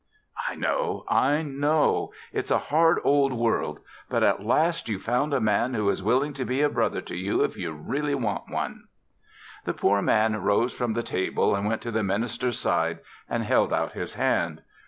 "I know I know. It's a hard old world, but at last you've found a man who is willing to be a brother to you if you really want one." The poor man rose from the table and went to the minister's side and held out his hand.